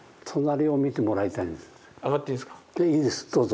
いいですどうぞ。